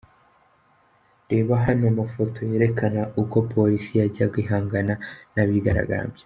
Reba hano amafoto yerekana uko Polisi yajyaga ihangana n’abigaragambya:.